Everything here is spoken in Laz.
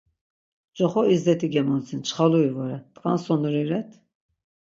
Coxo İzzeti gemodzin, Çxaluri vore. Tkvan sonuri ret?